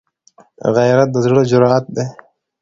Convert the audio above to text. غیرت د زړه جرأت دی